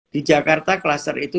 di jakarta kluster itu